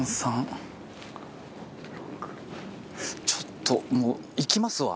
６ちょっともう行きますわ。